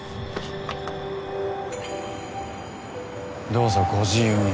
どうぞご自由に。